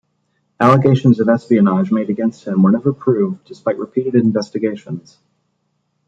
Allegations of espionage made against him were never proved despite repeated investigations.